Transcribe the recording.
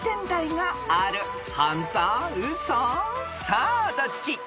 さあどっち？］